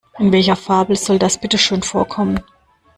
In welcher Fabel soll das bitte schön vorkommen?